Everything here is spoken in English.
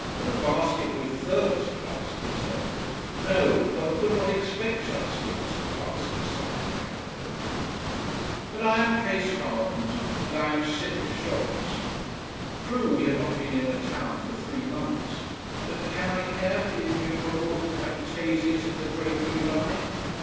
And a basket with thermos flask, etc! No, one could not expect such things to pass in a southern capital. But I am case hardened. And I am sick of shops. True, we have not been in a town for three months. But can I care for the innumerable fantasias in the drapery line?